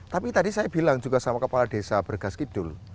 tapi tadi saya bilang juga sama kepala desa bergaskidul